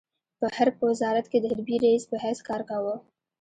په حرب په وزارت کې د حربي رئيس په حیث کار کاوه.